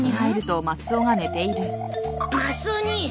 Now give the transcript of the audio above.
マスオ兄さん！